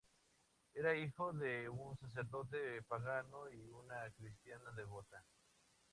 Era hijo de un sacerdote pagano y una cristiana devota.